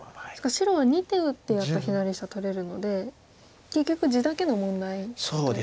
白は２手打ってやっと左下取れるので結局地だけの問題ということ。